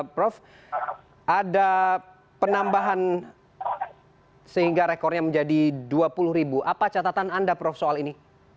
prof ada penambahan sehingga rekornya menjadi dua puluh apa catatan anda prof soal ini